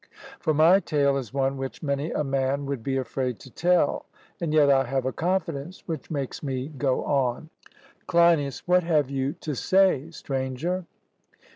For my tale is one which many a man would be afraid to tell, and yet I have a confidence which makes me go on. CLEINIAS: What have you to say, Stranger?